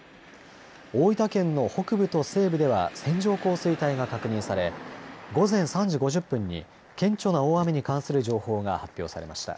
大分県の北部と西部では線状降水帯が確認され午前３時５０分に顕著な大雨に関する情報が発表されました。